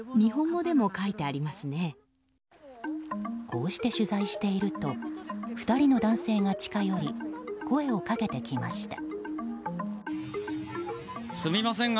こうして取材していると２人の男性が近寄り声をかけてきました。